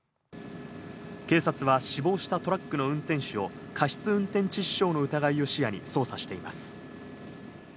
警察は死亡したトラックの運転手を、過失運転致死傷の疑いを視野に捜査しています。